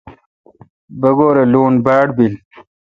بگور اے لون باڑ بیل۔